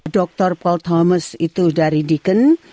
dr paul thomas itu dari deakin